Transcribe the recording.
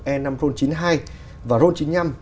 e năm ron g hai và ron g năm